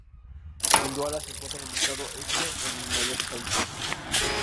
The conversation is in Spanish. En Duala se encuentra el mercado Eko, el mayor del país.